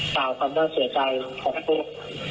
กล่าวความน่าเสียใจของพวก